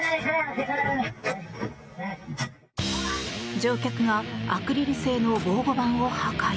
乗客がアクリル製の防護板を破壊。